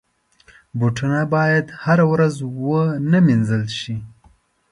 بوټونه باید هره ورځ ونه وینځل شي.